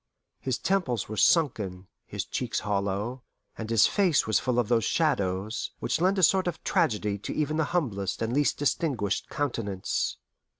His temples were sunken, his cheeks hollow, and his face was full of those shadows which lend a sort of tragedy to even the humblest and least distinguished countenance.